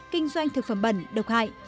kinh doanh thực phẩm bẩn độc hại